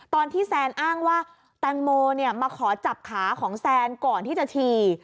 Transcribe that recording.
ตอนที่แซนอ้างว่าแตงโมมาขอจับขาของแซนก่อนที่จะฉี่